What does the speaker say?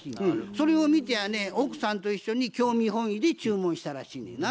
それを見てやね奥さんと一緒に興味本位で注文したらしいねんな。